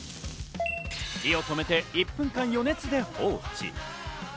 火を止めて、１分間、余熱で放置。